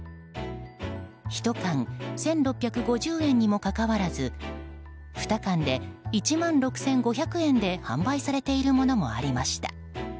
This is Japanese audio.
１缶１６５０円にもかかわらず２缶で１万６５００円で販売されているものもありました。